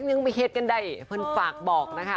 ยังมีเคสกันใดเพิ่นฝากบอกนะคะ